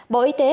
bộ y tế